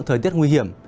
thời tiết nguy hiểm